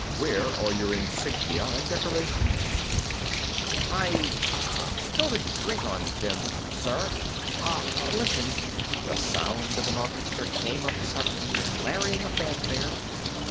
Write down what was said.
Where are your insignia and decorations?" "I ah spilled a drink on them. Sir. Ah listen...." The sound of an orchestra came up suddenly, blaring a fanfare.